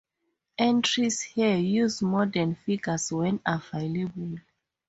Entries here use modern figures when available.